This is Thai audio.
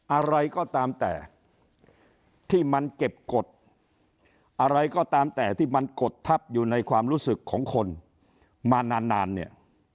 อะไรก็ตามแต่ที่มันเก็บกฎอะไรก็ตามแต่ที่มันกดทับอยู่ในความรู้สึกของคนมานานเนี่ย